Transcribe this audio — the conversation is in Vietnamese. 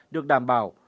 được đảm bảo